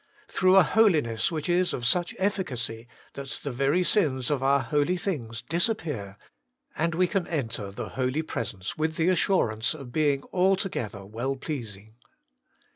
Through a holiness which is of such efficacy, that the very sins of our holy things disappear, and we can enter the Holy Presence with the assurance of being altogether well pleasing.